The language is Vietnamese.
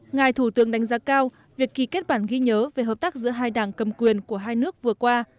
ngài thủ tướng đánh giá cao việc ký kết bản ghi nhớ về hợp tác giữa hai đảng cầm quyền của hai nước vừa qua